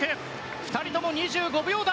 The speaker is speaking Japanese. ２人とも２５秒台。